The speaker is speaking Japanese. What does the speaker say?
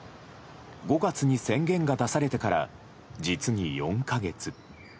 ５月に宣言が出されてから実に４か月。